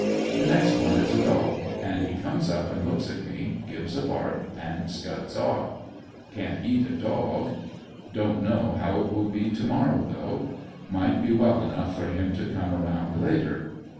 The next one is a dog and he comes up and looks at me, gives a bark and scuds off. Can't eat a dog. Don't know how it will be to morrow though. Might be well enough for him to come around later.